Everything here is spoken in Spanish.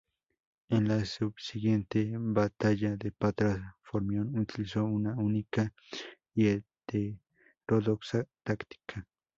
En la subsiguiente batalla de Patras, Formión utilizó una única y heterodoxa táctica.